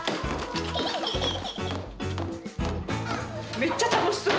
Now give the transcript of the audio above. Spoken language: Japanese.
めっちゃ楽しそう。